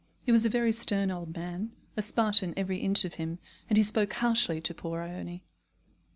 He was a very stern old man, a Spartan every inch of him, and he spoke harshly to poor Ione.